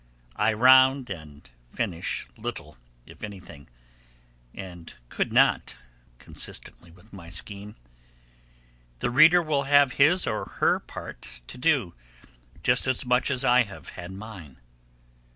I round and finish little, if anything; and could not, consistently with my scheme. The reader will have his or her part to do, just as much as I have had mine.